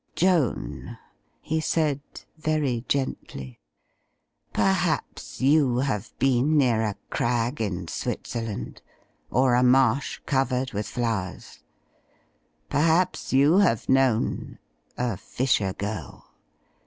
Joan," he said, very gently, "perhaps you have been near a crag in Switzerland, or a marsh covered with 3o8 THE FLYING INN flowers. Perhaps you have known — b, fisher girl.